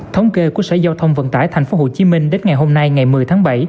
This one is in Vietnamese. thống kê của sở giao thông vận tải thành phố hồ chí minh đến ngày hôm nay ngày một mươi tháng bảy